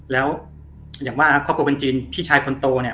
แล้วอย่างว่าครอบครัวเป็นจีนพี่ชายคนโตเนี่ย